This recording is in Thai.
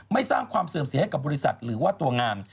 สร้างความเสื่อมเสียให้กับบริษัทหรือว่าตัวงาม